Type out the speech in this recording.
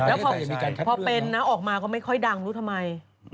แล้วพอเป็นนะออกมาก็ไม่ค่อยดังรู้ทำไม